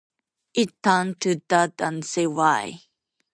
I turned to Dad and said why?